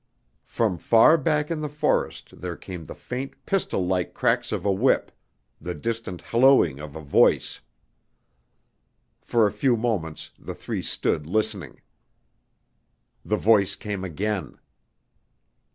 From far back in the forest there came the faint pistol like cracks of a whip, the distant hallooing of a voice. For a few moments the three stood listening. The voice came again.